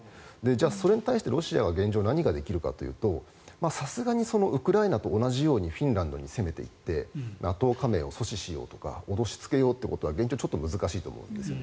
じゃあ、それに対してロシアは現状、何ができるかというとさすがにウクライナと同じようにフィンランドに攻めていってＮＡＴＯ加盟を阻止しようとか脅しつけようということは現状、ちょっと難しいと思うんですよ。